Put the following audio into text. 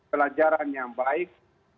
pelajaran yang baik